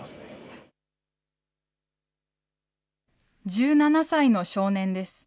１７歳の少年です。